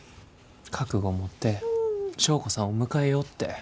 覚悟持って祥子さんを迎えようって。